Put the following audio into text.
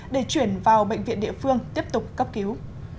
để chuyển vào bệnh viện địa phương tiếp tục cấp cứu